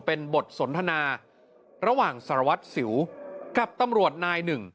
เป็นบทสนทนาระหว่างสารวัตรสิวกับตำรวจนายหนึ่ง